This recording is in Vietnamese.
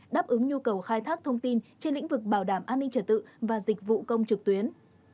đáp ứng nhu cầu khai thác thông tin trên lĩnh vực bảo đảm an ninh trở tự và dịch vụ công trực tuyến